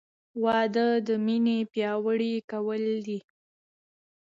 • واده د مینې پیاوړی کول دي.